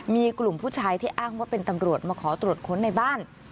มีกลุ่มผู้ชายที่อ้างว่าเป็นตำรวจมาขอตรวจค้นในบ้าน